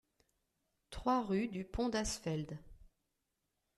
trois rue du Pont d'Asfeld